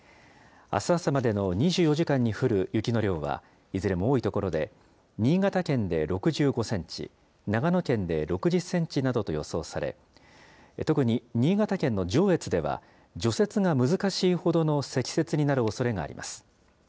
あす朝までの２４時間に降る雪の量はいずれも多い所で、新潟県で６５センチ、長野県で６０センチなどと予想され、特に新潟県の上越では除雪が難しいほどの積雪になるおそれがあります。